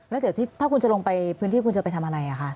แล้วเดี๋ยวถ้าคุณจะลงไปพื้นที่คุณจะไปทำอะไรคะ